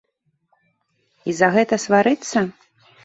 І за гэта сварыцца?